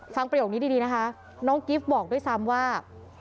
ประโยคนี้ดีนะคะน้องกิฟต์บอกด้วยซ้ำว่า